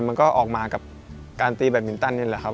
มันก็ออกมากับการตีแบบมินตันนี่แหละครับ